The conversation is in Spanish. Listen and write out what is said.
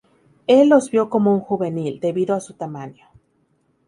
Él los vio como un juvenil, debido a su tamaño.